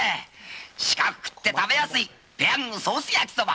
四角くて食べやすいペヤングソースやきそば。